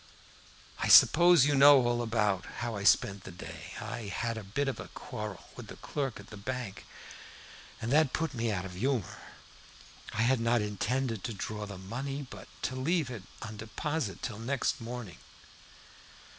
"I suppose you know all about how I spent the day. I had a bit of a quarrel with the clerk at the bank, and that put me out of humor. I had not intended to draw the money, but to leave it on deposit till next morning.